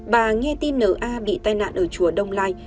bà nghe tin na bị tai nạn ở chùa đông lai